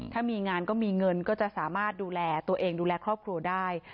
ถ้ามีงานก็มีเงินก็จะสามารถดูแลตัวเองดูแลครอบครัวได้